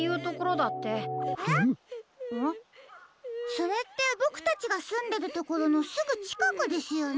それってボクたちがすんでるところのすぐちかくですよね？